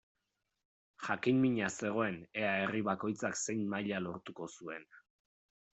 Jakin-mina zegoen ea herri bakoitzak zein maila lortuko zuen.